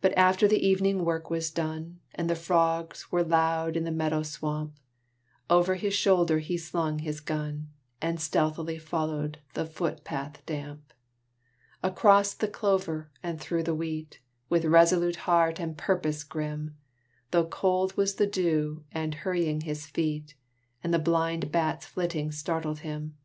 But after the evening work was done, And the frogs were loud in the meadow swamp, Over his shoulder he slung his gun, And stealthily followed the foot path damp, Across the clover, and through the wheat, With resolute heart and purpose grim, Though cold was the dew on his hurrying feet, And the blind bat's flitting startled him.